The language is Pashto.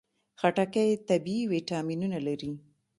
خټکی طبیعي ویټامینونه لري.